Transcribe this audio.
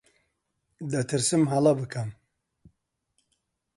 دەترسم هەڵە بکەم.